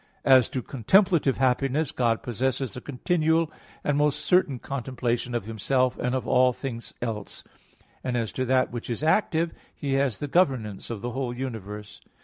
As to contemplative happiness, God possesses a continual and most certain contemplation of Himself and of all things else; and as to that which is active, He has the governance of the whole universe.